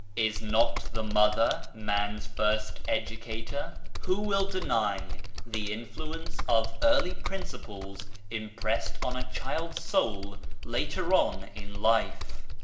Is not the mother man's first educator ? Who will deny the influence of early principles impressed on a child's soul later on in life